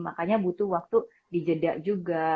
makanya butuh waktu di jeda juga